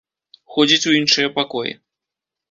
Ходзіць у іншыя пакоі.